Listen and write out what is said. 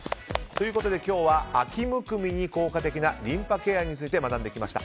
今日は秋むくみに効果的なリンパケアについて学んできました。